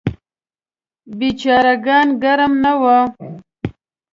بیچاره ګان ګرم نه وو.